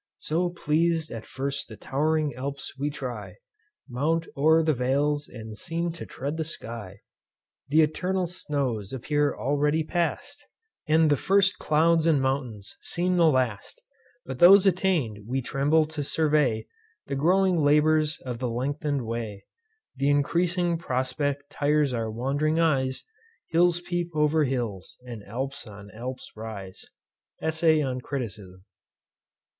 So pleas'd at first the tow'ring Alps we try, Mount o'er the vales, and seem to tread the sky. Th' eternal snows appear already past, And the first clouds and mountains seem the last, But those attain'd, we tremble to survey The growing labours of the lengthen'd way. Th' increasing prospect tires our wand'ring eyes, Hills peep o'er hills, and Alps on Alps arise. ESSAY ON CRITICISM.